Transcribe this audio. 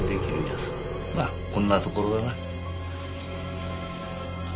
まあこんなところだな。